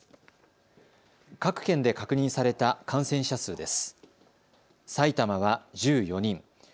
各県で確認された感染者数です。